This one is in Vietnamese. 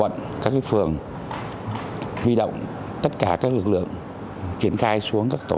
tôi đã chỉ đạo cho công an các quận các phường huy động tất cả các lực lượng triển khai xuống các tổ